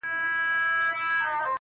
نه نه غلط سوم وطن دي چین دی-